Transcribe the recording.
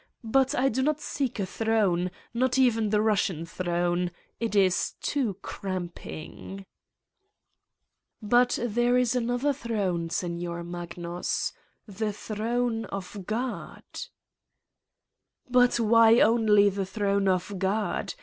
But I do not 190 Satan's Diary seek a throne not even the Russian throne : it is too cramping." "But there is another throne, Signer Magnus: the throne of God.' ' "But why only the throne of God!